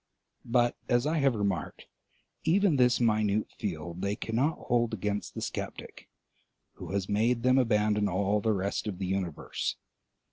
But, as I have remarked, even this minute field they cannot hold against the sceptic, who has made them abandon all the rest of the universe.